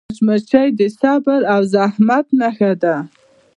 مچمچۍ د صبر او زحمت نښه ده